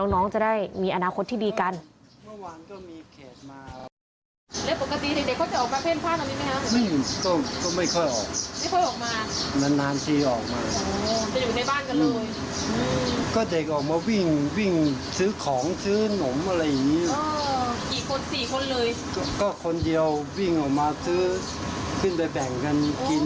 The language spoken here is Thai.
น้องจะได้มีอนาคตที่ดีกัน